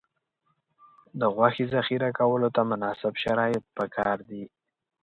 د غوښې ذخیره کولو ته مناسب شرایط پکار دي.